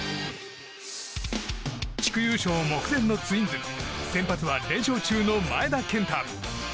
地区優勝目前のツインズ先発は連勝中の前田健太。